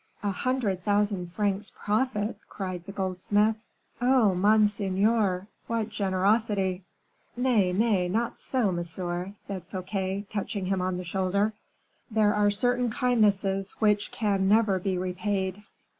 "A hundred thousand francs profit!" cried the goldsmith. "Oh, monseigneur, what generosity!" "Nay, nay, not so, monsieur," said Fouquet, touching him on the shoulder; "there are certain kindnesses which can never be repaid.